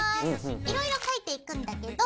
いろいろ描いていくんだけど。